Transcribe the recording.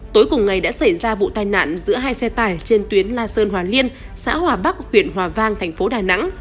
tối cùng ngày đã xảy ra vụ tai nạn giữa hai xe tải trên tuyến la sơn hòa liên xã hòa bắc huyện hòa vang thành phố đà nẵng